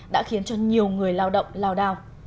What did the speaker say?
đã khiến cho nhiều người lao động lao đào